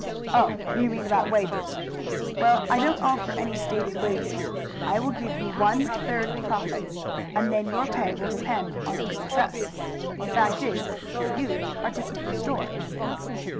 "Oh, you mean about wages. Well, I don't offer any stated wages. I will give you one third profits, and then your pay will depend on your success. The fact is, you are to keep the store."